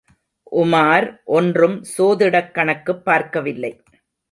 உமார் ஒன்றும் சோதிடக் கணக்குப் பார்க்கவில்லை.